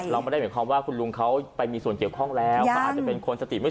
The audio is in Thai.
แล้วขาวทั้งดำอยู่ตรงใด